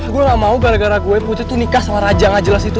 gue gak mau gara gara gue putri tuh nikah sama raja gak jelas itu